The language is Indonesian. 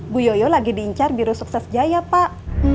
bu yoyo lagi diincar biru sukses jaya pak